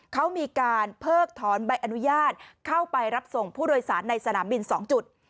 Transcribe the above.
เขามีการเพิกถอนใบอนุญาตเข้าไปรับส่งผู้โดยสารในสนามบิน๒จุด